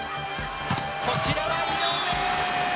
こちらは井上。